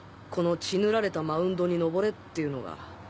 この「血塗られたマウンドに登れ」っていうのが。